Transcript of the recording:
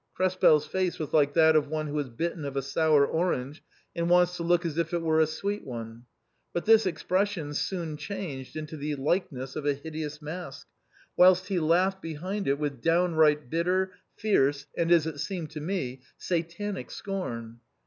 Krespel's face was like that of one who has bitten of a sour orange and wants to look as if it were a sweet one ; but this expression soon changed into the likeness of a hideous mask, whilst he laughed behind it with downright bitter, fierce, and as it seemed to me, satanic scorn.